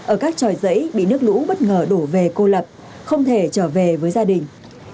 ở các tròi giấy bị nước lũ bất ngờ đổ về cô lập không thể trở về với gia đình